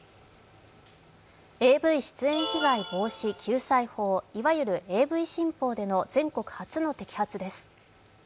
ＡＶ出演被害防止・救済法、いわゆるＡＶ新法での全国初の摘発です。